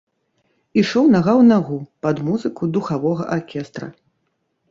Ішоў нага ў нагу пад музыку духавога аркестра.